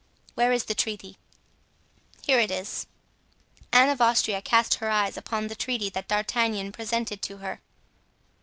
"Where is the treaty?" "Here it is." Anne of Austria cast her eyes upon the treaty that D'Artagnan presented to her.